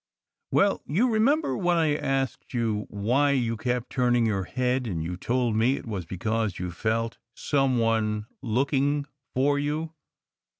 "Well, you remember when I asked why you kept turn ing your head, and you told me it was because you felt some one * looking for you?"